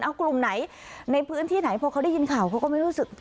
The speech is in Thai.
เอากลุ่มไหนในพื้นที่ไหนพอเขาได้ยินข่าวเขาก็ไม่รู้สึก